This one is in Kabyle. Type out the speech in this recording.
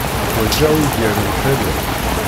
Ḥwaǧeɣ ugar n tallunt.